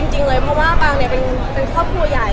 จริงเลยเพราะว่าปางเนี่ยเป็นครอบครัวใหญ่